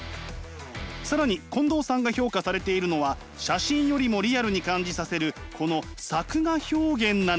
更に近藤さんが評価されているのは写真よりもリアルに感じさせるこの作画表現なのです。